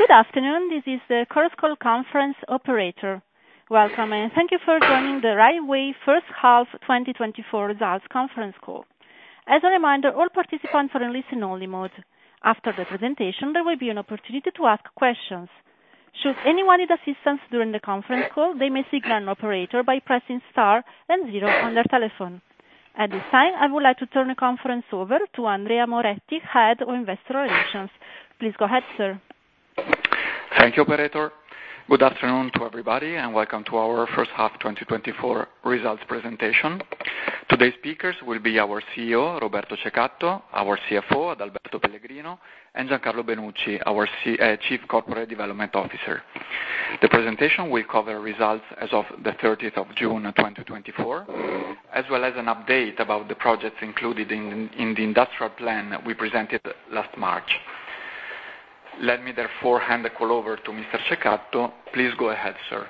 Good afternoon, this is the Chorus Call Conference operator. Welcome, and thank you for joining the Rai Way first half 2024 results conference call. As a reminder, all participants are in listen-only mode. After the presentation, there will be an opportunity to ask questions. Should anyone need assistance during the conference call, they may seek an operator by pressing Star and zero on their telephone. At this time, I would like to turn the conference over to Andrea Moretti, Head of Investor Relations. Please go ahead, sir. Thank you, operator. Good afternoon to everybody, and welcome to our first half 2024 results presentation. Today's speakers will be our CEO, Roberto Ceccato, our CFO, Adalberto Pellegrino, and Giancarlo Benucci, our Chief Corporate Development Officer. The presentation will cover results as of the thirtieth of June, 2024, as well as an update about the projects included in, in the industrial plan we presented last March. Let me therefore hand the call over to Mr. Ceccato. Please go ahead, sir.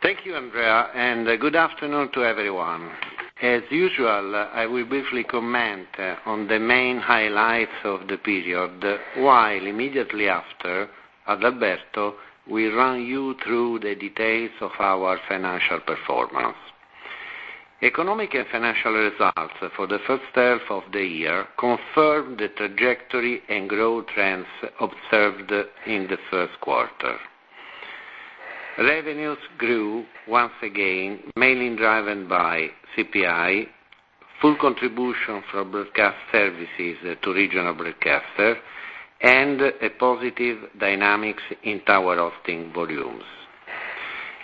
Thank you, Andrea, and good afternoon to everyone. As usual, I will briefly comment on the main highlights of the period, while immediately after, Adalberto will run you through the details of our financial performance. Economic and financial results for the first half of the year confirmed the trajectory and growth trends observed in the first quarter. Revenues grew once again, mainly driven by CPI, full contribution from broadcast services to regional broadcaster, and a positive dynamics in tower hosting volumes.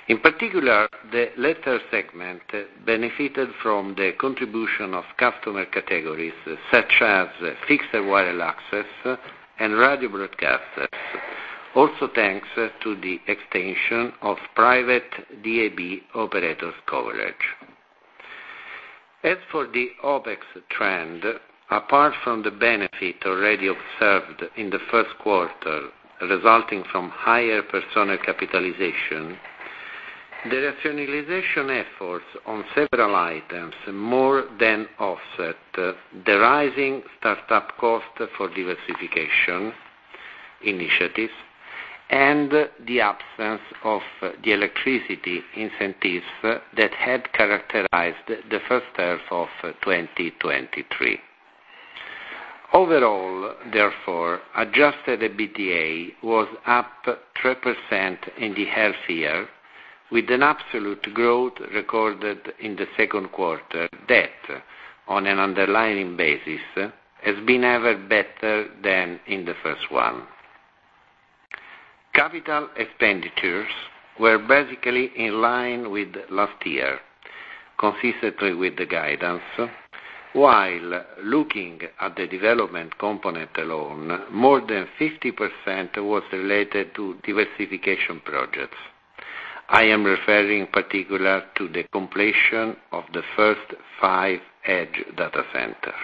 In particular, the latter segment benefited from the contribution of customer categories such as fixed wireless access and radio broadcasters, also thanks to the extension of private DAB operators coverage. As for the OpEx trend, apart from the benefit already observed in the first quarter, resulting from higher personnel capitalization, the rationalization efforts on several items more than offset the rising startup cost for diversification initiatives and the absence of the electricity incentives that had characterized the first half of 2023. Overall, therefore, adjusted EBITDA was up 3% in the half year, with an absolute growth recorded in the second quarter, that on an underlying basis has been ever better than in the first one. Capital expenditures were basically in line with last year, consistently with the guidance, while looking at the development component alone, more than 50% was related to diversification projects. I am referring in particular to the completion of the first 5 Edge data centers.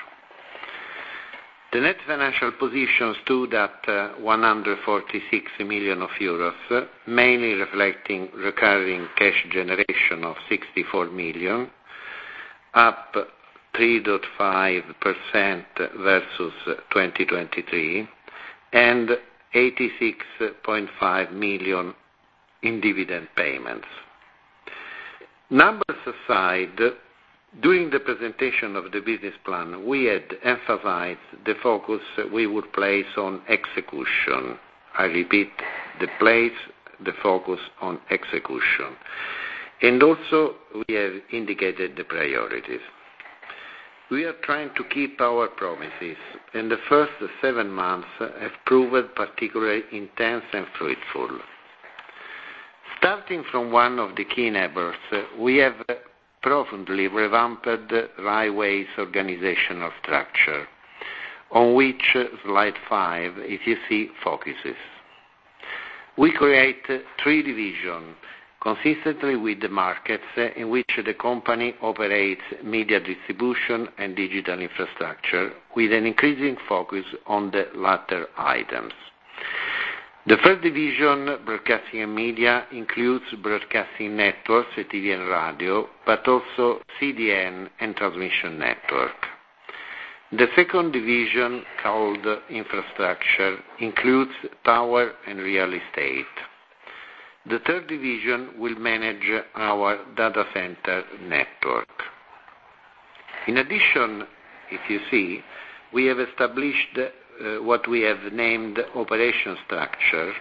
The net financial position stood at 146 million euros, mainly reflecting recurring cash generation of 64 million, up 3.5% versus 2023, and 86.5 million in dividend payments. Numbers aside, during the presentation of the business plan, we had emphasized the focus we would place on execution. I repeat, the place, the focus on execution, and also we have indicated the priorities. We are trying to keep our promises, and the first seven months have proven particularly intense and fruitful. Starting from one of the key enablers, we have profoundly revamped the Rai Way's organizational structure, on which slide five, if you see, focuses. We create three divisions consistently with the markets in which the company operates media distribution and digital infrastructure, with an increasing focus on the latter items. The first division, broadcasting and media, includes broadcasting networks, TV and radio, but also CDN and transmission network. The second division, called infrastructure, includes power and real estate. The third division will manage our data center network. In addition, if you see, we have established what we have named operation structure,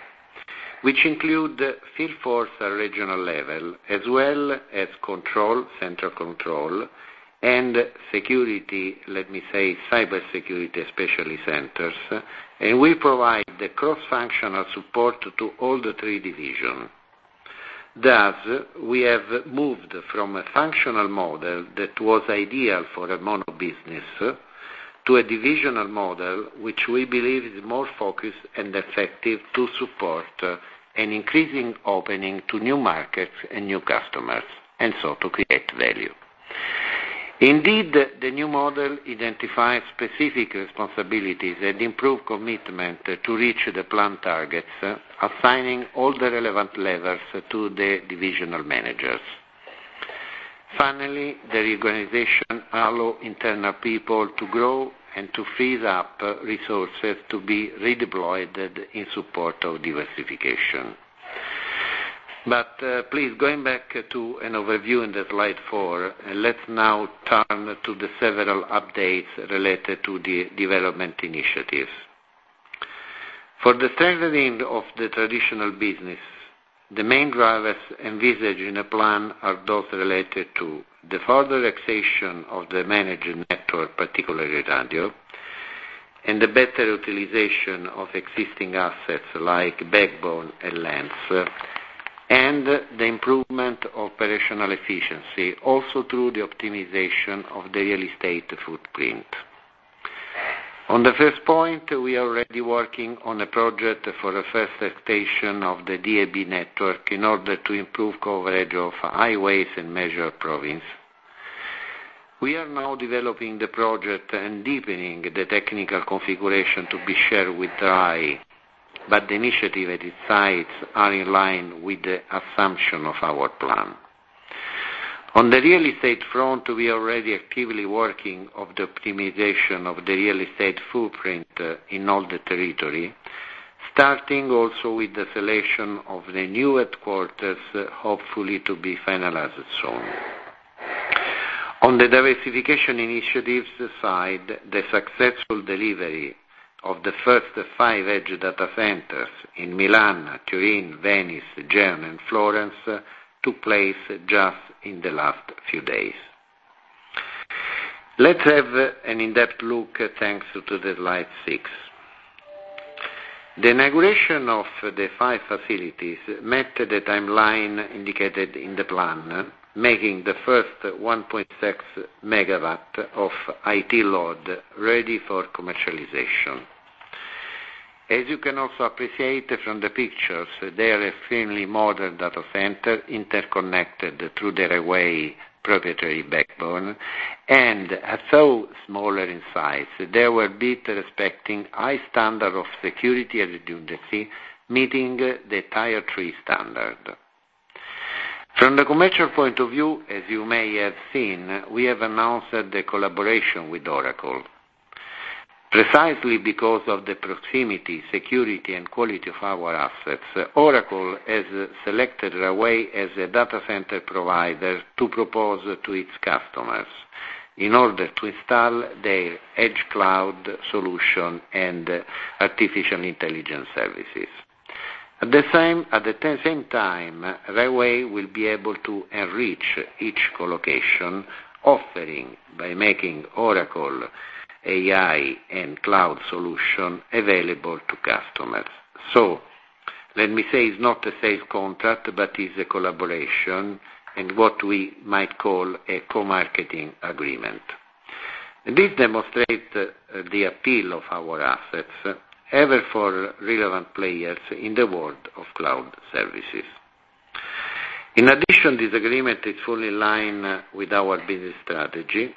which include field force at regional level, as well as control, center control and security, let me say cybersecurity, especially centers, and we provide the cross-functional support to all the three divisions. Thus, we have moved from a functional model that was ideal for a mono business, to a divisional model, which we believe is more focused and effective to support an increasing opening to new markets and new customers, and so to create value. Indeed, the new model identifies specific responsibilities and improve commitment to reach the plan targets, assigning all the relevant levels to the divisional managers. Finally, the reorganization allow internal people to grow and to free up resources to be redeployed in support of diversification. But, please, going back to an overview in the slide 4, let's now turn to the several updates related to the development initiatives. For the strengthening of the traditional business, the main drivers envisaged in a plan are those related to the further extension of the managed network, particularly radio, and the better utilization of existing assets like backbone and land, and the improvement of operational efficiency, also through the optimization of the real estate footprint. On the first point, we are already working on a project for the first station of the DAB network in order to improve coverage of highways and major province. We are now developing the project and deepening the technical configuration to be shared with RAI, but the initiative at its sites are in line with the assumption of our plan. On the real estate front, we are already actively working of the optimization of the real estate footprint, in all the territory, starting also with the selection of the new headquarters, hopefully to be finalized soon. On the diversification initiatives side, the successful delivery of the first 5 Edge data centers in Milan, Turin, Venice, Genoa, and Florence, took place just in the last few days. Let's have an in-depth look, thanks to the slide 6. The integration of the five facilities met the timeline indicated in the plan, making the first 1.6 MW of IT load ready for commercialization. As you can also appreciate from the pictures, they are an extremely modern data center, interconnected through Rai Way proprietary backbone, and are so smaller in size. They were built respecting high standard of security and redundancy, meeting the Tier III standard. From the commercial point of view, as you may have seen, we have announced the collaboration with Oracle. Precisely because of the proximity, security, and quality of our assets, Oracle has selected Rai Way as a data center provider to propose to its customers in order to install their edge cloud solution and artificial intelligence services. At the same, at the same time, Rai Way will be able to enrich each colocation offering by making Oracle AI and cloud solution available to customers. So let me say, it's not a sales contract, but it's a collaboration and what we might call a co-marketing agreement. This demonstrates the appeal of our assets, even for relevant players in the world of cloud services. In addition, this agreement is fully in line with our business strategy,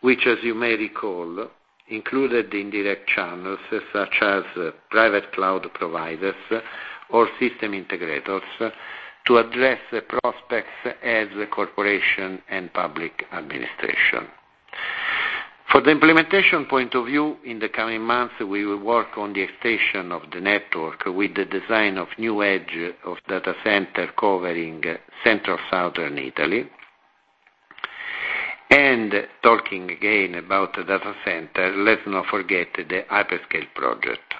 which, as you may recall, included the indirect channels, such as private cloud providers or system integrators, to address the prospects as a corporation and public administration. For the implementation point of view, in the coming months, we will work on the extension of the network with the design of new edge data centers covering central southern Italy. And talking again about the data center, let's not forget the hyperscale project.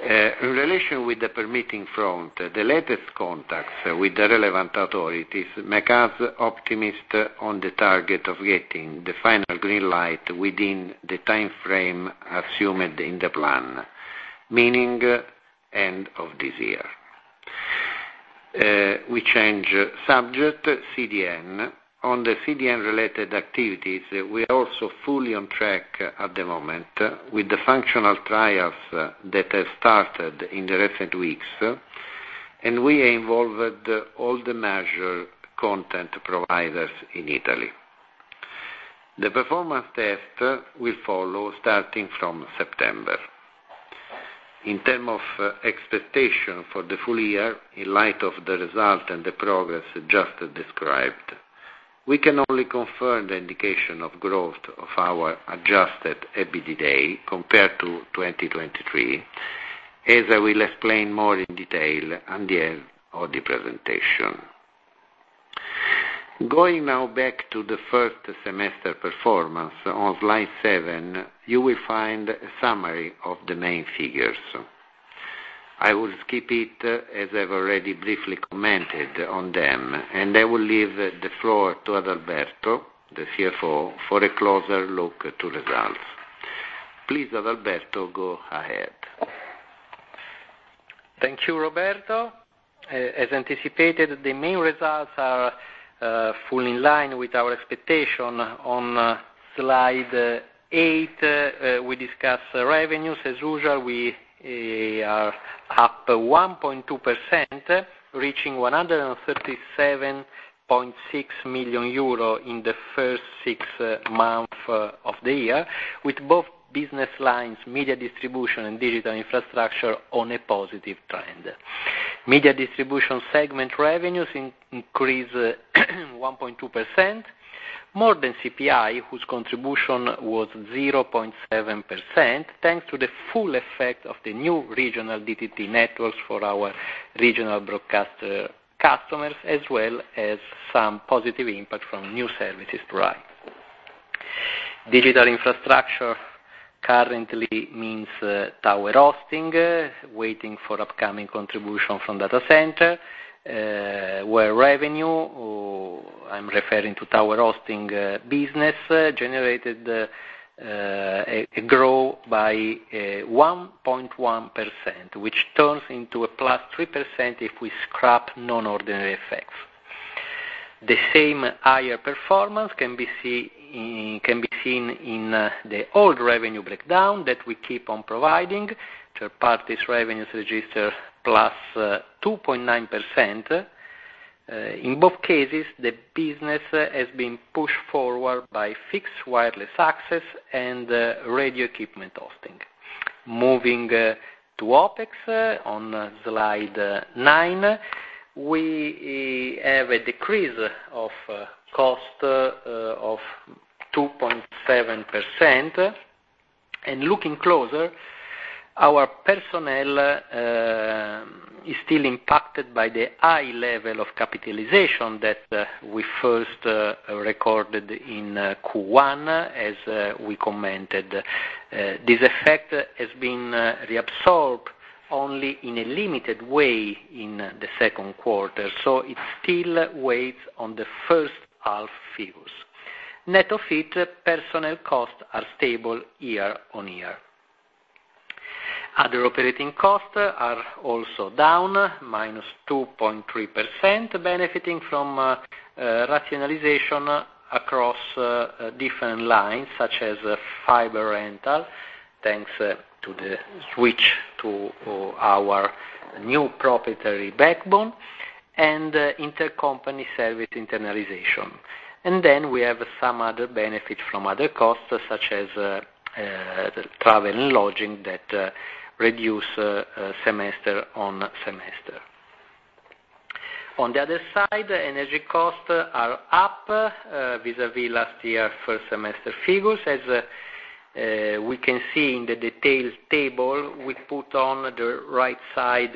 In relation with the permitting front, the latest contacts with the relevant authorities make us optimistic on the target of getting the final green light within the time frame assumed in the plan, meaning end of this year. We change subject, CDN. On the CDN-related activities, we are also fully on track at the moment with the functional trials that have started in the recent weeks, and we involved all the major content providers in Italy. The performance test will follow, starting from September. In terms of expectation for the full year, in light of the result and the progress just described, we can only confirm the indication of growth of our adjusted EBITDA compared to 2023, as I will explain more in detail at the end of the presentation. Going now back to the first semester performance, on slide seven, you will find a summary of the main figures. I will skip it, as I've already briefly commented on them, and I will leave the floor to Adalberto, the CFO, for a closer look to results. Please, Adalberto, go ahead. Thank you, Roberto. As anticipated, the main results are fully in line with our expectation. On slide 8, we discuss revenues. As usual, we are up 1.2%, reaching 137.6 million euro in the first six months of the year, with both business lines, media distribution and digital infrastructure, on a positive trend. Media distribution segment revenues increased 1.2%, more than CPI, whose contribution was 0.7%, thanks to the full effect of the new regional DTT networks for our regional broadcast customers, as well as some positive impact from new services provided. Digital infrastructure currently means tower hosting, waiting for upcoming contribution from data center, where revenue—or I'm referring to tower hosting business—generated a growth by 1.1%, which turns into +3% if we scrap non-ordinary effects. The same higher performance can be seen in the overall revenue breakdown that we keep on providing. Third-party revenues register +2.9%. In both cases, the business has been pushed forward by fixed wireless access and radio equipment hosting. Moving to OpEx on slide nine, we have a decrease of cost of 2.7%. Looking closer, our personnel is still impacted by the high level of capitalization that we first recorded in Q1, as we commented. This effect has been reabsorbed only in a limited way in the second quarter, so it still weighs on the first half figures. Net of it, personnel costs are stable year-on-year. Other operating costs are also down, minus 2.3%, benefiting from rationalization across different lines, such as fiber rental, thanks to the switch to our new proprietary backbone and intercompany service internalization. And then we have some other benefits from other costs, such as travel and lodging, that reduce semester-on-semester. On the other side, energy costs are up vis-a-vis last year, first semester figures. As we can see in the details table, we put on the right side,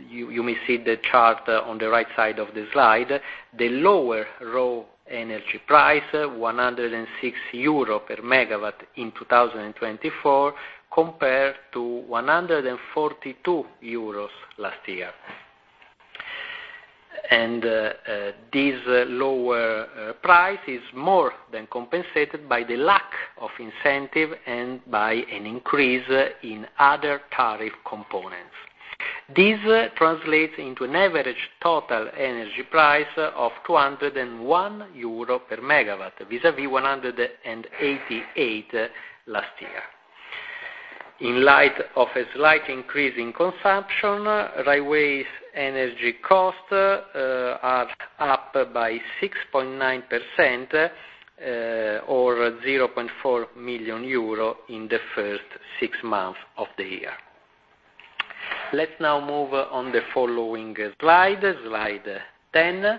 you may see the chart on the right side of the slide. The lower raw energy price, 160 euro per megawatt in 2024, compared to 142 euros last year. This lower price is more than compensated by the lack of incentive and by an increase in other tariff components. This translates into an average total energy price of 201 euro per megawatt, vis-a-vis 188 EUR last year. In light of a slight increase in consumption, Rai Way energy costs are up by 6.9%, or 0.4 million euro in the first six months of the year. Let's now move on the following slide, slide 10,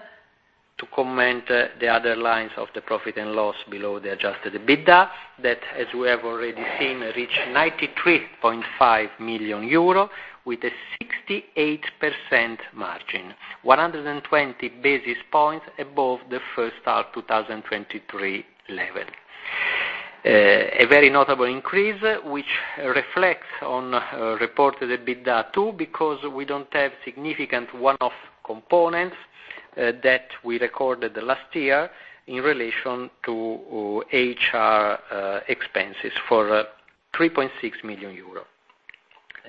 to comment, the other lines of the profit and loss below the adjusted EBITDA. That, as we have already seen, reached 93.5 million euro with a 68% margin, 120 basis points above the first half 2023 level. A very notable increase, which reflects on reported EBITDA, too, because we don't have significant one-off components that we recorded last year in relation to HR expenses for 3.6 million euro.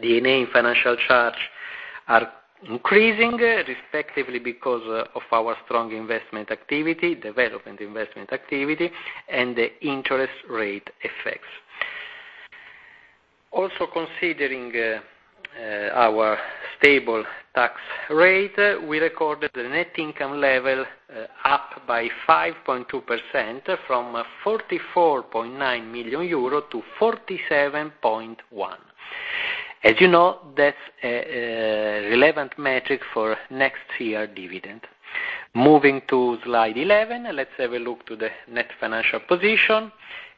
The net financial charges are increasing, respectively, because of our strong investment activity, development investment activity, and the interest rate effects. Also, considering our stable tax rate, we recorded the net income level up by 5.2% from 44.9 million euro to 47.1. As you know, that's a relevant metric for next year dividend. Moving to slide 11, let's have a look to the net financial position,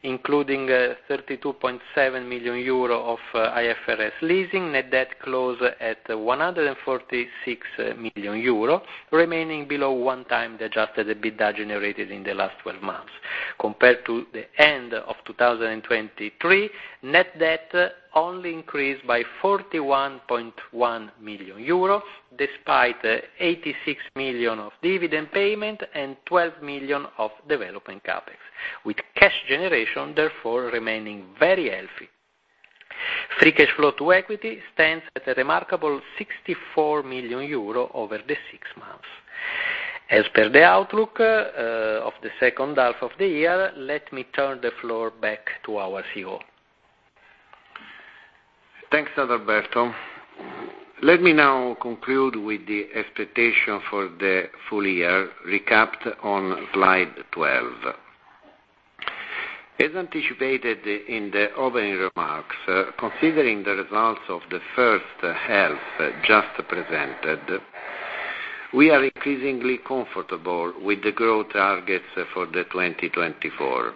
including 32.7 million euro of IFRS leasing. Net debt closed at 146 million euro, remaining below 1x the adjusted EBITDA generated in the last 12 months. Compared to the end of 2023, net debt only increased by 41.1 million euros, despite 86 million of dividend payment and 12 million of development CapEx, with cash generation therefore remaining very healthy. Free cash flow to equity stands at a remarkable 64 million euro over the six months. As per the outlook of the second half of the year, let me turn the floor back to our CEO. Thanks, Adalberto. Let me now conclude with the expectation for the full year, recapped on slide 12. As anticipated in the opening remarks, considering the results of the first half just presented, we are increasingly comfortable with the growth targets for 2024.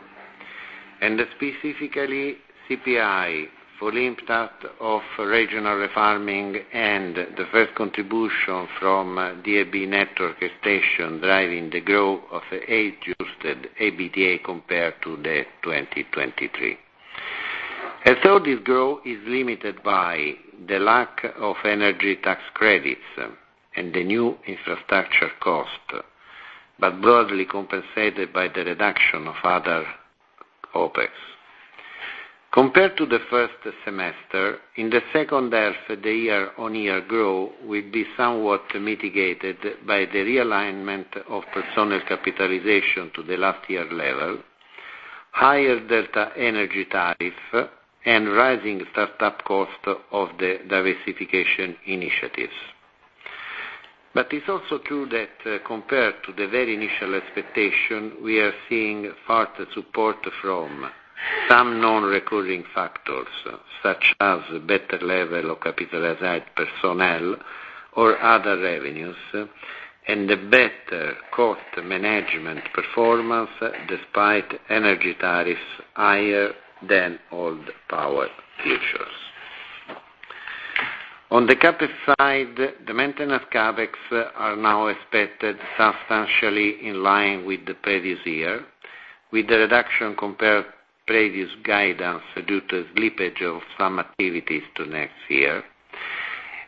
Specifically, CPI, full impact of regional refarming and the first contribution from DAB network station driving the growth of adjusted EBITDA compared to 2023. So this growth is limited by the lack of energy tax credits and the new infrastructure cost, but broadly compensated by the reduction of other OpEx. Compared to the first semester, in the second half, the year-on-year growth will be somewhat mitigated by the realignment of personnel capitalization to the last year level, higher delta energy tariff, and rising startup cost of the diversification initiatives. But it's also true that compared to the very initial expectation, we are seeing further support from some non-recurring factors, such as better level of capitalized personnel or other revenues, and the better cost management performance, despite energy tariffs higher than all the power futures. On the CapEx side, the maintenance CapEx are now expected substantially in line with the previous year, with the reduction compared previous guidance due to slippage of some activities to next year,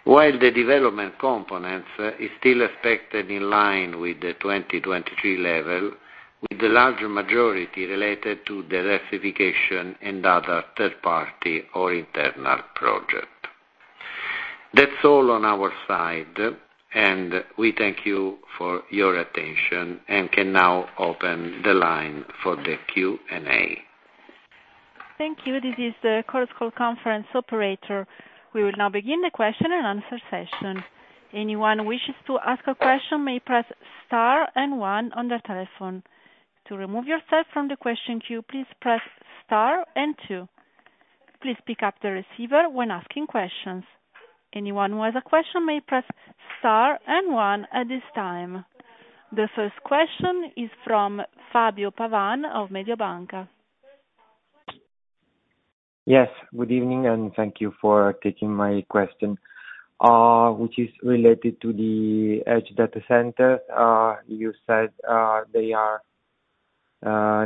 while the development components is still expected in line with the 2023 level, with the larger majority related to the diversification and other third party or internal project. That's all on our side, and we thank you for your attention, and can now open the line for the Q&A. Thank you. This is the Chorus Call conference operator. We will now begin the question and answer session. Anyone wishes to ask a question may press star and one on their telephone. To remove yourself from the question queue, please press star and two. Please pick up the receiver when asking questions. Anyone who has a question may press star and one at this time. The first question is from Fabio Pavan of Mediobanca. Yes, good evening, and thank you for taking my question, which is related to the edge data center. You said they are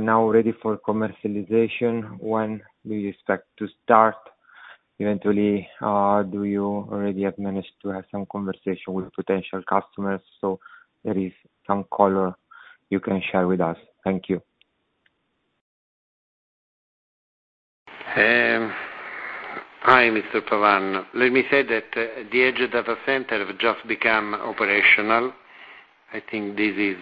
now ready for commercialization. When do you expect to start? Eventually, do you already have managed to have some conversation with potential customers so there is some color you can share with us? Thank you. Hi, Mr. Pavan. Let me say that the edge data center have just become operational. I think this is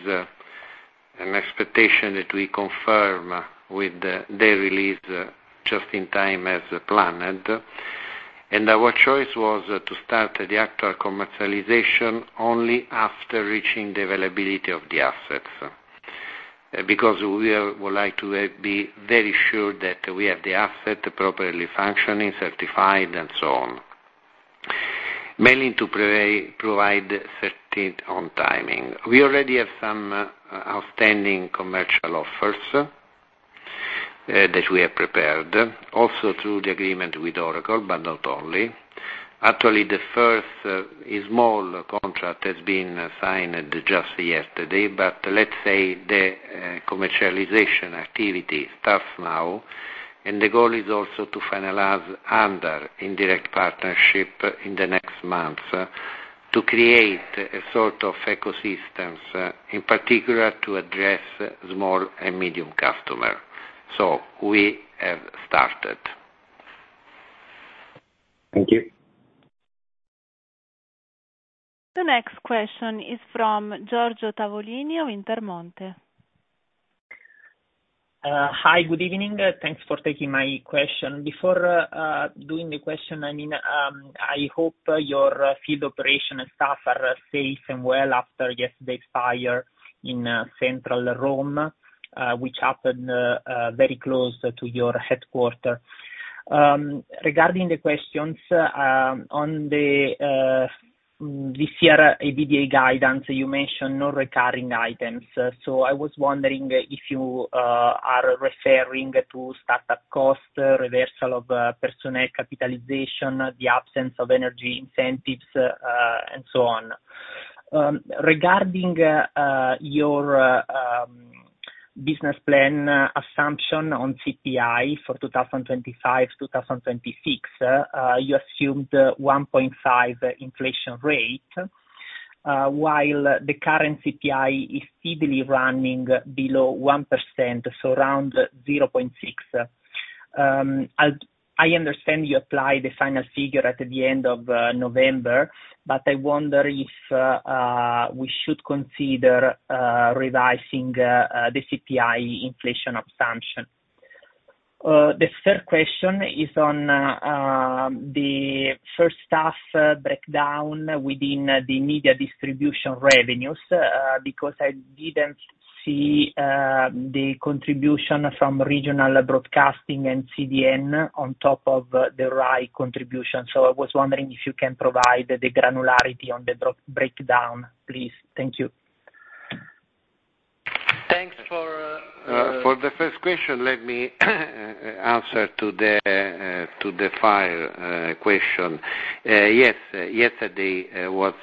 an expectation that we confirm with the daily release, just in time as planned. And our choice was to start the actual commercialization only after reaching the availability of the assets, because we would like to be very sure that we have the asset properly functioning, certified, and so on, mainly to provide certainty on timing. We already have some outstanding commercial offers that we have prepared, also through the agreement with Oracle, but not only. Actually, the first, a small contract has been signed just yesterday, but let's say the commercialization activity starts now, and the goal is also to finalize other indirect partnership in the next months, to create a sort of ecosystems, in particular to address small and medium customer. So we have started. Thank you. The next question is from Giorgio Tavolini of Intermonte. Hi, good evening. Thanks for taking my question. Before doing the question, I mean, I hope your field operation and staff are safe and well after yesterday's fire in central Rome, which happened very close to your headquarters. Regarding the questions on this year DAB guidance, you mentioned no recurring items. So I was wondering if you are referring to startup cost, reversal of personnel capitalization, the absence of energy incentives, and so on. Regarding your business plan assumption on CPI for 2025 to 2026, you assumed 1.5% inflation rate, while the current CPI is steadily running below 1%, so around 0.6%. I understand you apply the final figure at the end of November, but I wonder if we should consider revising the CPI inflation assumption. The third question is on the first half breakdown within the media distribution revenues, because I didn't see the contribution from regional broadcasting and CDN on top of the RAI contribution. So I was wondering if you can provide the granularity on the detailed breakdown, please. Thank you. Thanks for, For the first question, let me answer the fire question. Yes, yesterday was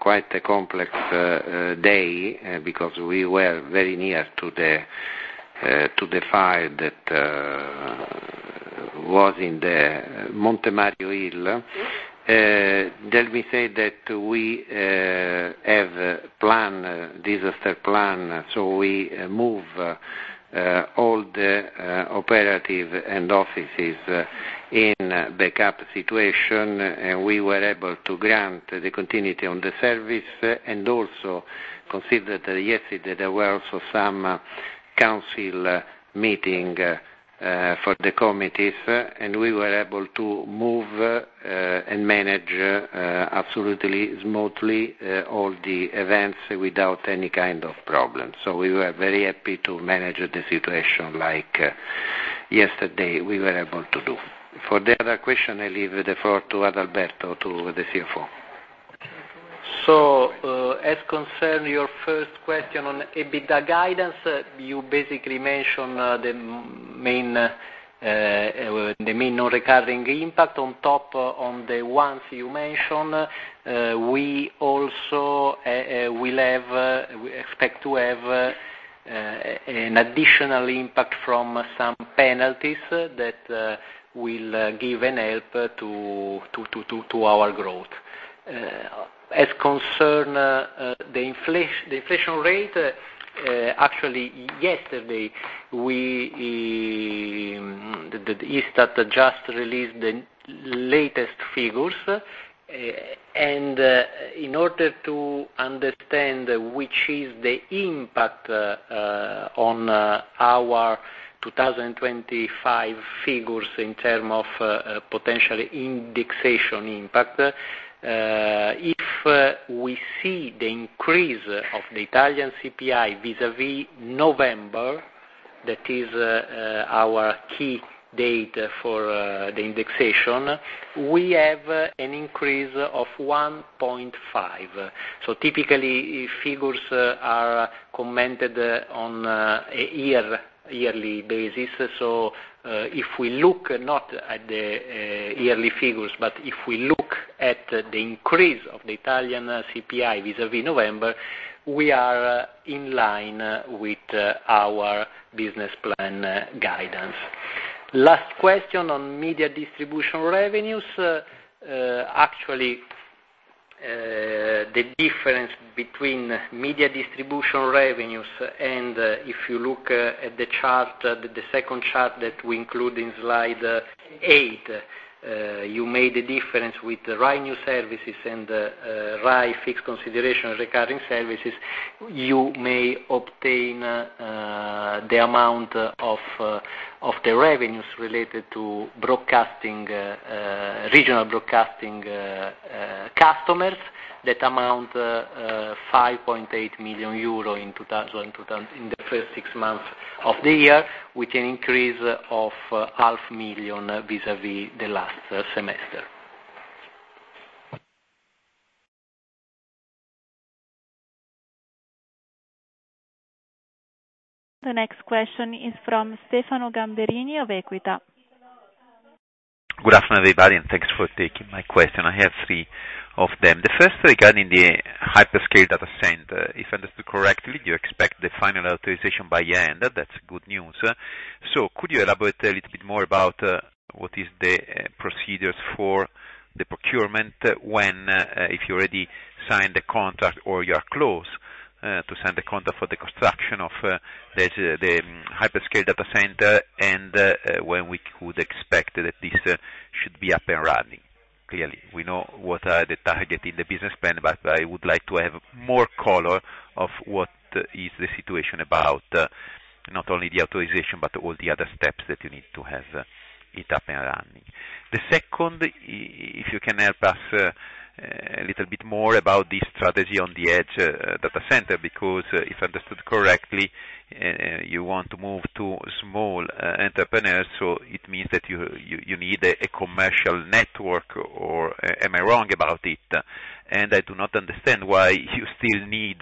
quite a complex day because we were very near to the fire that was in the Monte Mario hill. Let me say that we have a disaster plan, so we moved all the operations and offices in backup situation, and we were able to grant the continuity on the service, and also consider that yesterday there were also some council meetings for the committees, and we were able to move and manage absolutely smoothly all the events without any kind of problem. So we were very happy to manage the situation like yesterday we were able to do. For the other question, I leave the floor to Adalberto, to the CFO. So, as concerns your first question on EBITDA guidance, you basically mentioned the main non-recurring impact. On top of the ones you mentioned, we also will have, we expect to have an additional impact from some penalties that will give a help to our growth. As concerns the inflation rate, actually, yesterday the Istat just released the latest figures, and in order to understand which is the impact on our 2025 figures in terms of potential indexation impact, if we see the increase of the Italian CPI vis-à-vis November, that is our key date for the indexation, we have an increase of 1.5. So typically, figures are commented on a yearly basis. So, if we look not at the yearly figures, but if we look at the increase of the Italian CPI vis-à-vis November, we are in line with our business plan guidance. Last question on media distribution revenues. Actually, the difference between media distribution revenues and, if you look at the chart, the second chart that we include in slide 8, you made a difference with the RAI new services and RAI fixed consideration regarding services, you may obtain the amount of the revenues related to broadcasting regional broadcasting customers that amount 5.8 million euro in 2020, in the first six months of the year, with an increase of 500,000 vis-à-vis the last semester. The next question is from Stefano Gamberini of Equita. Good afternoon, everybody, and thanks for taking my question. I have three of them. The first regarding the hyperscale data center. If I understood correctly, you expect the final authorization by end. That's good news. So could you elaborate a little bit more about what is the procedures for the procurement, when if you already signed the contract or you are close to sign the contract for the construction of the hyperscale data center, and when we could expect that this should be up and running? Clearly, we know what are the target in the business plan, but I would like to have more color of what is the situation about not only the authorization, but all the other steps that you need to have it up and running. The second, if you can help us a little bit more about the strategy on the edge data center, because if understood correctly, you want to move to small entrepreneurs, so it means that you need a commercial network, or am I wrong about it? And I do not understand why you still need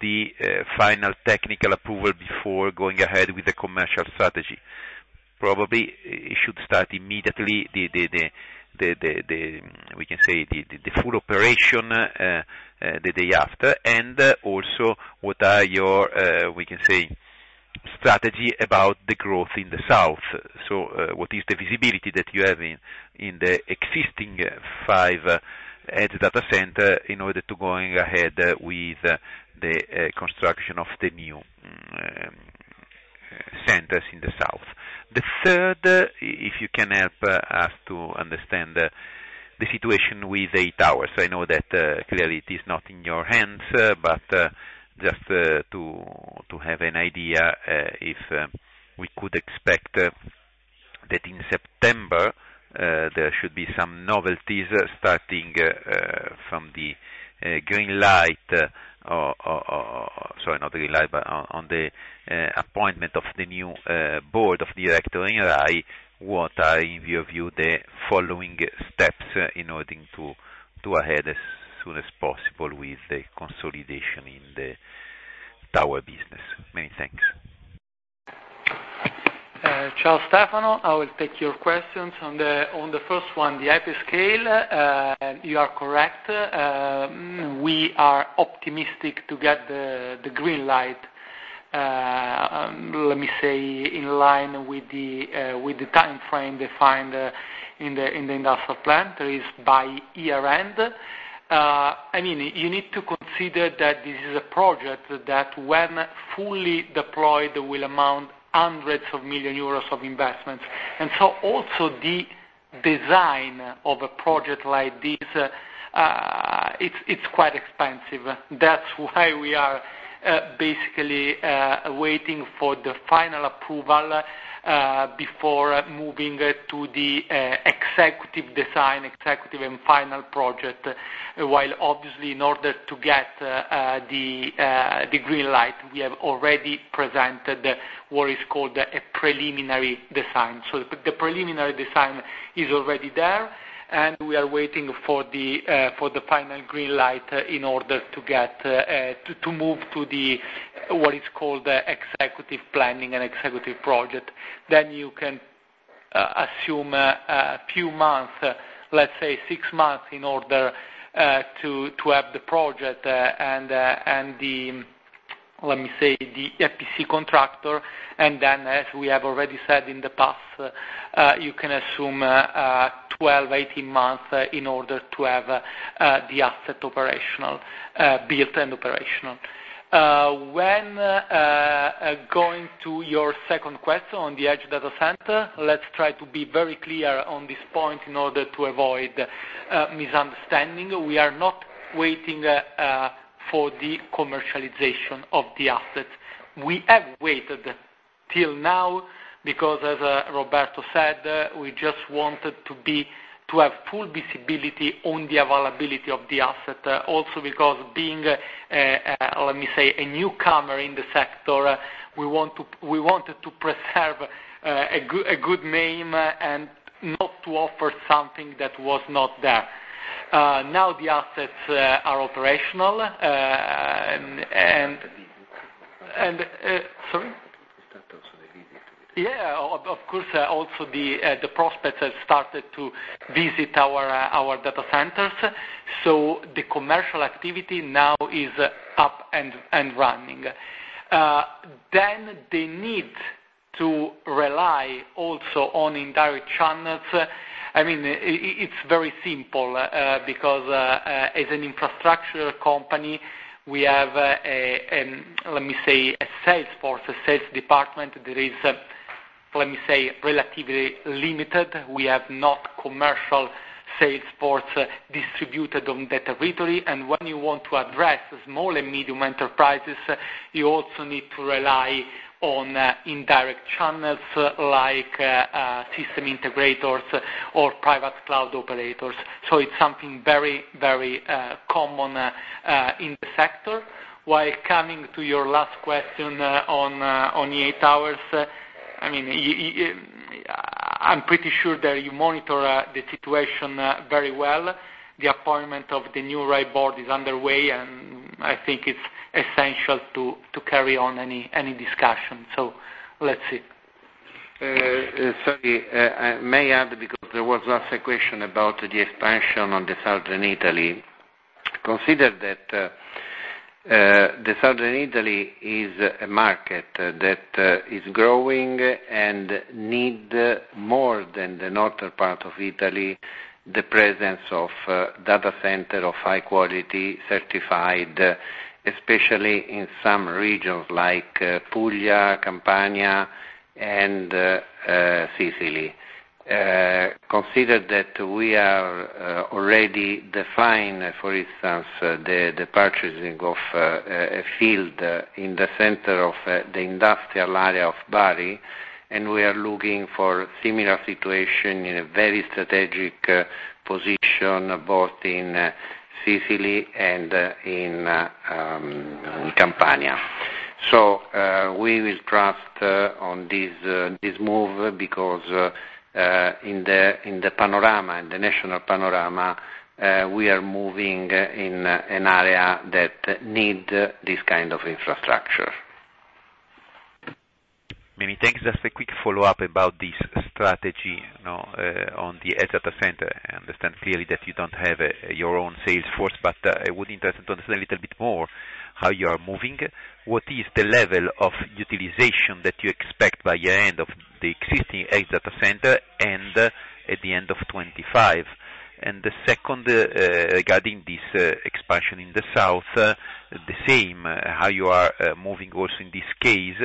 the final technical approval before going ahead with the commercial strategy. Probably, it should start immediately, we can say, the full operation the day after, and also, what are your, we can say, strategy about the growth in the south? So, what is the visibility that you have in the existing five edge data center in order to going ahead with the construction of the new centers in the south? The third, if you can help us to understand, the situation with EI Towers. I know that, clearly it is not in your hands, but, just, to, to have an idea, if, we could expect, that in September, there should be some novelties starting, from the, green light, or, or, or, sorry, not the green light, but on, on the, appointment of the new, board of directors in RAI, what are, in your view, the following steps in order to, to ahead as soon as possible with the consolidation in the tower business? Many thanks. Ciao, Stefano, I will take your questions. On the first one, the hyperscale, you are correct. We are optimistic to get the green light, let me say, in line with the timeframe defined in the industrial plan, that is by year-end. I mean, you need to consider that this is a project that when fully deployed, will amount hundreds of millions of euros of investments. And so also the design of a project like this, it's quite expensive. That's why we are basically waiting for the final approval before moving it to the executive design, executive and final project. While obviously in order to get the green light, we have already presented what is called a preliminary design. So the preliminary design is already there, and we are waiting for the final green light in order to get to move to what is called the executive planning and executive project. Then you can assume a few months, let's say 6 months, in order to have the project and, let me say, the EPC contractor. And then, as we have already said in the past, you can assume 12-18 months in order to have the asset operational, built and operational. When going to your second question on the edge data center, let's try to be very clear on this point in order to avoid misunderstanding. We are not waiting for the commercialization of the assets. We have waited till now because, as Roberto said, we just wanted to have full visibility on the availability of the asset. Also, because being a newcomer in the sector, we want to, we wanted to preserve a good name and not to offer something that was not there. Now the assets are operational and... Sorry? Start also the visit. Yeah, of course, also the prospects have started to visit our data centers, so the commercial activity now is up and running. Then the need to rely also on indirect channels, I mean, it's very simple, because as an infrastructure company, we have, let me say, a sales force, a sales department that is, let me say, relatively limited. We have not commercial sales force distributed on that territory. And when you want to address small and medium enterprises, you also need to rely on indirect channels, like system integrators or private cloud operators. So it's something very common in the sector. While coming to your last question on the EI Towers, I mean, I'm pretty sure that you monitor the situation very well. The appointment of the new RAI board is underway, and I think it's essential to carry on any discussion. So let's see. Sorry, may I add, because there was last question about the expansion on the Southern Italy. Consider that, the Southern Italy is a market that, is growing and need more than the northern part of Italy, the presence of, data center of high quality, certified, especially in some regions like Puglia, Campania, and, Sicily. Consider that we are, already defined, for instance, the purchasing of, a field in the center of, the industrial area of Bari, and we are looking for similar situation in a very strategic, position, both in Sicily and, in, Campania. So, we will draft, on this, this move, because, in the, in the panorama, in the national panorama, we are moving in an area that need this kind of infrastructure. Many thanks. Just a quick follow-up about this strategy, you know, on the edge data center. I understand clearly that you don't have your own sales force, but I would be interested to understand a little bit more how you are moving. What is the level of utilization that you expect by year-end of the existing edge data center and at the end of 2025? And the second, regarding this expansion in the south, the same, how you are moving also in this case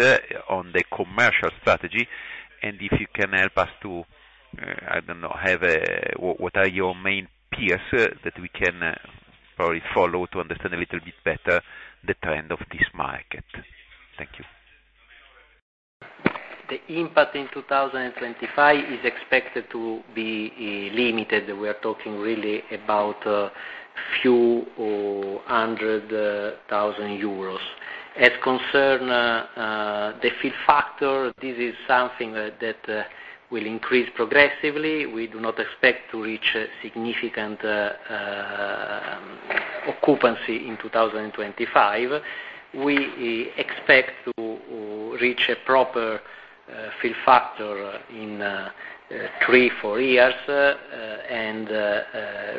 on the commercial strategy? And if you can help us to, I don't know, have a, what are your main peers that we can probably follow to understand a little bit better the trend of this market? Thank you. The impact in 2025 is expected to be limited. We are talking really about a few hundred thousand EUR. As concern the fill factor, this is something that will increase progressively. We do not expect to reach a significant occupancy in 2025. We expect to reach a proper fill factor in 3-4 years, and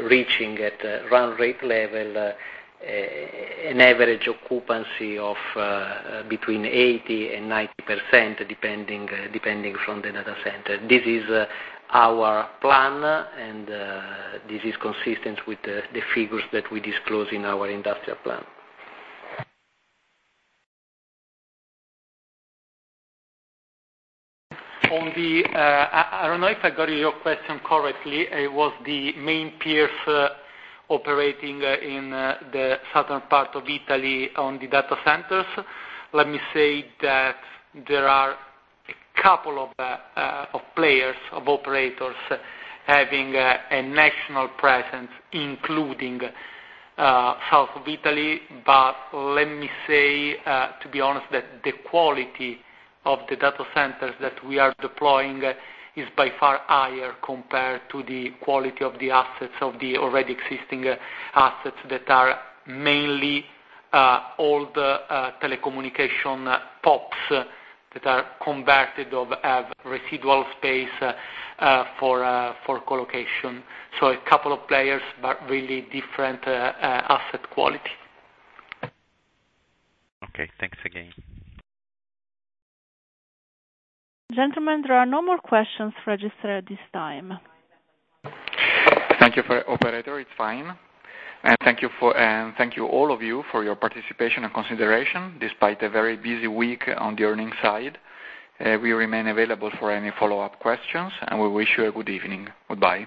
reaching at run rate level an average occupancy of between 80% and 90%, depending from the data center. This is our plan, and this is consistent with the figures that we disclose in our industrial plan. On the, I don't know if I got your question correctly. It was the main peers operating in the southern part of Italy on the data centers. Let me say that there are a couple of players, of operators having a national presence, including south of Italy. But let me say, to be honest, that the quality of the data centers that we are deploying is by far higher compared to the quality of the assets, of the already existing assets, that are mainly old telecommunication PoPs that are converted or have residual space for co-location. So a couple of players, but really different asset quality. Okay, thanks again. Gentlemen, there are no more questions registered at this time. Thank you, operator. It's fine. And thank you, all of you, for your participation and consideration, despite a very busy week on the earnings side. We remain available for any follow-up questions, and we wish you a good evening. Goodbye.